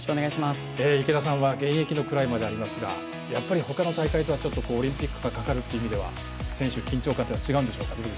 池田さんは現役のクライマーでありますがやっぱり、他の大会よりちょっとオリンピックがかかるっていう意味では選手、緊張感というのは違うんでしょうか？